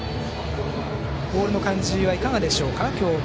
ボールの感じはいかがでしょうか。